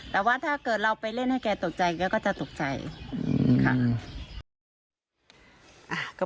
แต่ว่าถ้าเกิดเราไปเล่นให้แกตกใจแกก็จะตกใจค่ะ